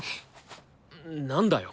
なんだよ？